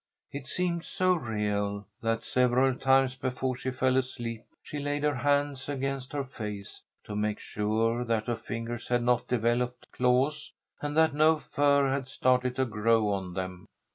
It seemed so real, that several times before she fell asleep she laid her hands against her face to make sure that her fingers had not developed claws, and that no fur had started to grow on them.